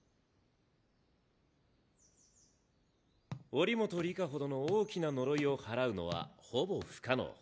祈本里香ほどの大きな呪いを祓うのはほぼ不可能。